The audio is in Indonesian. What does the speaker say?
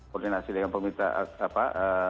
koordinasi dengan pemerintah apa